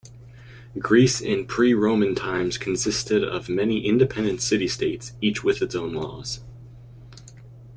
Greece in pre-Roman times consisted of many independent city-states, each with its own laws.